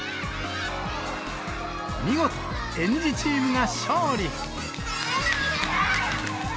見事、園児チームが勝利。